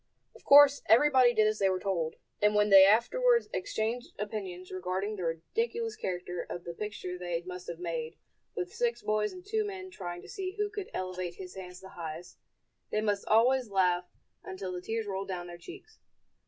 Of course everybody did as they were told; and when they afterwards exchanged opinions regarding the ridiculous character of the picture they must have made, with six boys and two men trying to see who could elevate his hands the highest, they must always laugh until the tears rolled down their cheeks.